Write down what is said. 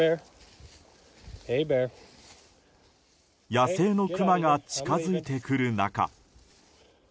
野生のクマが近づいてくる中。